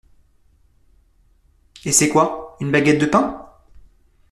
Et c’est quoi, une baguette de pain?